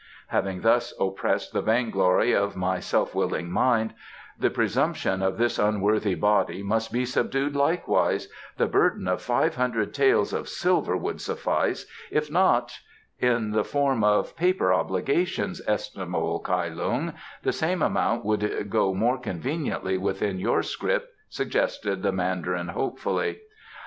"Having thus oppressed the vainglory of my self willed mind, the presumption of this unworthy body must be subdued likewise. The burden of five hundred taels of silver should suffice. If not " "In the form of paper obligations, estimable Kai Lung, the same amount would go more conveniently within your scrip," suggested the Mandarin hopefully.